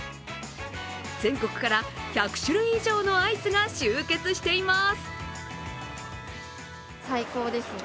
全国から１００種類以上のアイスが集結しています。